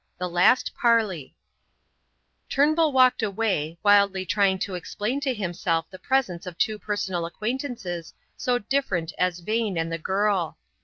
THE LAST PARLEY Turnbull walked away, wildly trying to explain to himself the presence of two personal acquaintances so different as Vane and the girl.